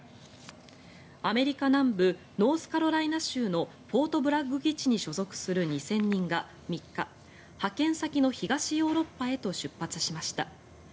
アメリカ南部ノースカロライナ州のフォートブラッグ基地に所属する２０００人が３日派遣先の東ヨーロッパへと出発しました。